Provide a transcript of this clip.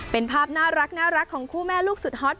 เป็นภาพน่ารักของคู่แม่ลูกสุดฮอต